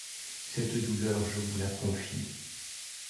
Cette douleur, je vous la confie.